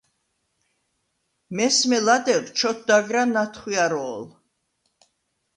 მესმე ლადეღ ჩოთდაგრა ნათხვიარო̄ლ.